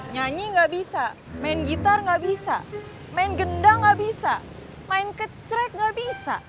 nyanyi nggak bisa main gitar nggak bisa main gendang nggak bisa main kecek gak bisa